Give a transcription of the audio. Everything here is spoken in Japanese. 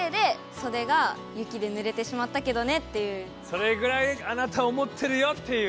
それぐらいあなたを思ってるよっていう。